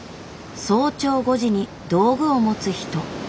早朝５時に道具を持つ人。